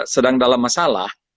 sedang dalam masalah